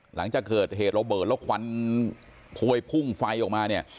หลังจากเกิดเหตุระเบิดแล้วควันพวยพุ่งไฟออกมาเนี่ย